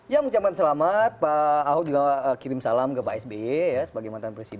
ya mengucapkan selamat pak ahok juga kirim salam ke pak sbe ya sebagai mantan presiden senior gitu